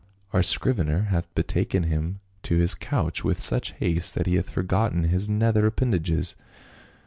" Our scrivener hath betaken him to his couch with such haste that he hath forgotten his nether appendages."